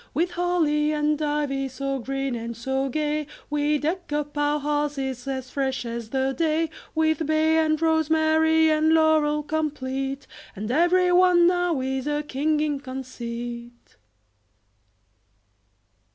With holly and ivy So green and so gay, We deck up our houses As fresh as the day; With bay and rosemary And laurel complete; And every one now Is a king in conceit.